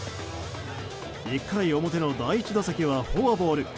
１回表の第１打席はフォアボール。